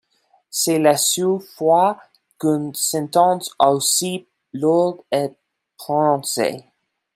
C'est la seule fois qu'un sentence aussi lourde est prononcée.